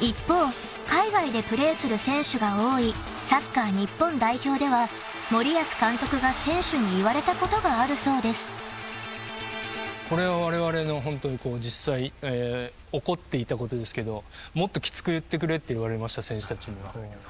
［一方海外でプレーする選手が多いサッカー日本代表では森保監督が選手に言われたことがあるそうです］これはわれわれのホントに実際起こっていたことですけど。って言われました選手たちには。